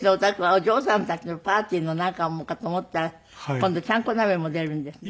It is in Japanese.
お嬢さんたちのパーティーのなんかかと思ったら今度はちゃんこ鍋も出るんですね。